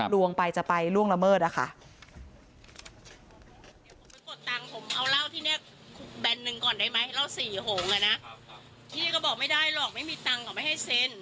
ไม่ได้หรอกไม่มีตังค์เขาไม่ให้เซน